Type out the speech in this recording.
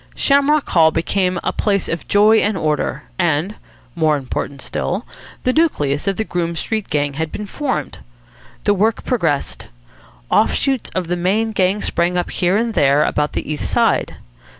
Shamrock Hall became a place of joy and order; and more important still the nucleus of the Groome Street Gang had been formed. The work progressed. Off shoots of the main gang sprang up here and there about the East Side.